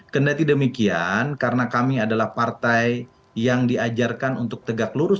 kendati demikian karena kami adalah partai yang diajarkan untuk tegak lurus